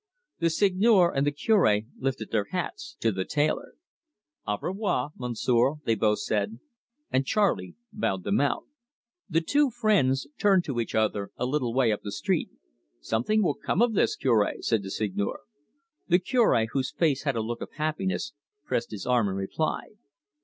The Seigneur and the Cure lifted their hats to the tailor. "Au revoir, Monsieur," they both said, and Charley bowed them out. The two friends turned to each other a little way up the street. "Something will come of this, Cure," said the Seigneur. The Cure, whose face had a look of happiness, pressed his arm in reply.